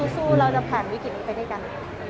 สู้เราจะผ่านวิธีนี้ไปด้วยกัน